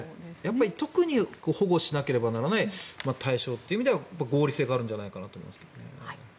特に保護しなければならない対象という意味では合理性があるんじゃないかなと思いますけどね。